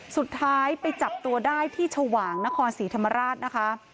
สุดท้ายไปจับตัวได้ที่ชวางนครศรีธรรมราชนะคะ